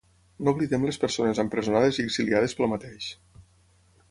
No oblidem les persones empresonades i exiliades pel mateix.